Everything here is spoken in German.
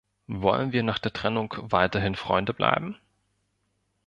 Wollen wir nach der Trennung weiterhin Freunde bleiben?